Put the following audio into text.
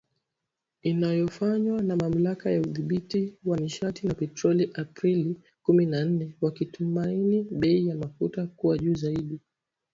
Inayofanywa na Mamlaka ya Udhibiti wa Nishati na Petroli Aprili kumi na nne, wakitumaini bei ya mafuta kuwa juu zaidi